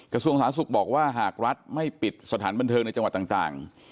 กระทรวงสาธารณสุขบอกว่าหากรัฐไม่ปิดสถานบันเทิงในจังหวัดต่าง